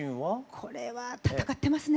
これは戦ってますね！